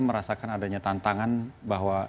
merasakan adanya tantangan bahwa